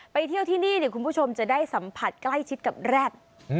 เที่ยวที่นี่คุณผู้ชมจะได้สัมผัสใกล้ชิดกับแร็ด